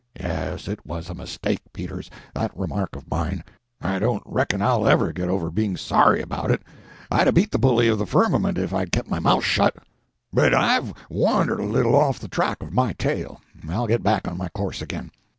Yes, it was a mistake, Peters—that remark of mine. I don't reckon I'll ever get over being sorry about it. I'd 'a' beat the bully of the firmament if I'd kept my mouth shut. But I've wandered a little off the track of my tale; I'll get back on my course again.